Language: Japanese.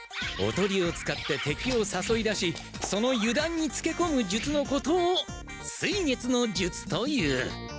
おとりを使って敵をさそい出しその油だんにつけこむ術のことを水月の術という。